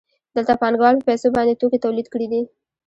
دلته پانګوال په پیسو باندې توکي تولید کړي دي